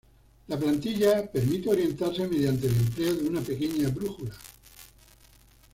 La plantilla permite orientarse mediante el empleo de una pequeña brújula.